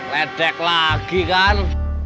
ledek lagi kan